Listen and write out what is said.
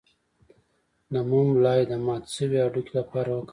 د موم لایی د مات شوي هډوکي لپاره وکاروئ